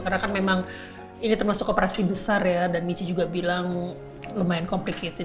karena kan memang ini termasuk operasi besar ya dan mici juga bilang lumayan komplikated